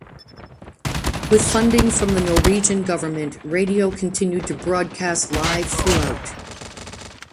With funding from the Norwegian government, radio continued to broadcast live throughout.